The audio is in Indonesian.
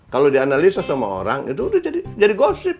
kalau dianalisa sama orang itu udah jadi gosip